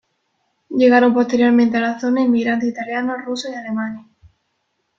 Llegaron posteriormente a la zona inmigrantes italianos, rusos y alemanes.